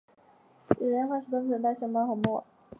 与人牙化石共存的有大熊猫和貘。